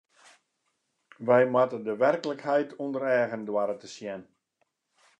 Wy moatte de werklikheid ûnder eagen doare te sjen.